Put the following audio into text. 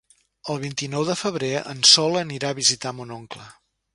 El vint-i-nou de febrer en Sol anirà a visitar mon oncle.